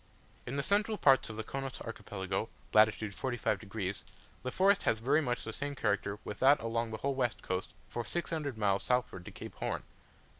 In the central parts of the Chonos Archipelago (lat. 45 degs.), the forest has very much the same character with that along the whole west coast, for 600 miles southward to Cape Horn.